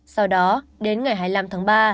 sau đó đến ngày hai mươi năm tháng ba